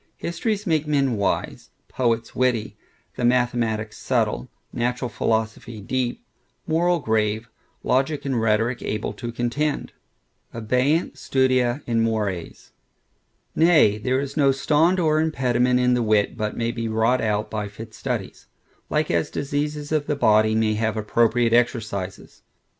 Histories make men wise; poets witty; the mathematics subtile; natural philosophy deep; moral grave; logic and rhetoric able to contend. Abeunt studia in mores. Nay, there is no stond or impediment in the wit, but may be wrought out by fit studies; like as diseases of the body, may have appropriate exercises.